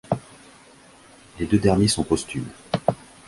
Les deux derniers sont posthumes.